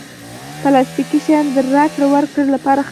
پلاستيکي شیان د راکړې ورکړې لپاره ښه نه وي.